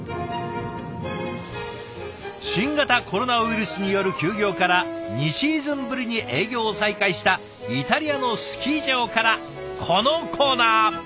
新型コロナウイルスによる休業から２シーズンぶりに営業を再開したイタリアのスキー場からこのコーナー。